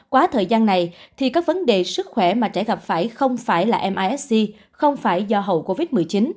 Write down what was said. quá thời gian này thì các vấn đề sức khỏe mà trẻ gặp phải không phải là misc không phải do hậu covid một mươi chín